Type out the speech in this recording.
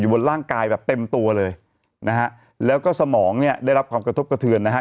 บนร่างกายแบบเต็มตัวเลยนะฮะแล้วก็สมองเนี่ยได้รับความกระทบกระเทือนนะฮะ